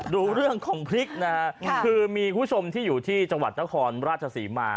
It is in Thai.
ดูเรื่องของพริกนะฮะคือมีคุณผู้ชมที่อยู่ที่จังหวัดนครราชศรีมา